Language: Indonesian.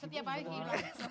setiap hari hilaf